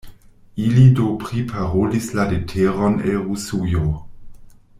Ili do priparolis la leteron el Rusujo.